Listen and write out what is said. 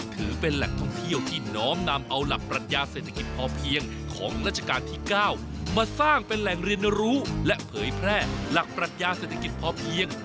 ถือเป็นแหล่งท่องเที่ยวที่น้อมนำเอาหลักปรัชญาเศรษฐกิจพอเพียงของราชการที่๙มาสร้างเป็นแหล่งเรียนรู้และเผยแพร่หลักปรัชญาเศรษฐกิจพอเพียง